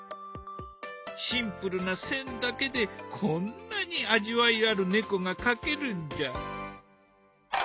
シンプルな線だけでこんなに味わいある猫が描けるんじゃ。